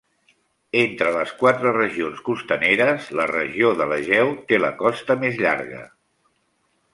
Entre les quatre regions costaneres, la regió de l'Egeu té la costa més llarga.